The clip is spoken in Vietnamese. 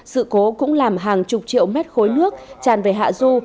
sự cố cũng làm hàng chục triệu mét khối nước tràn về hạ du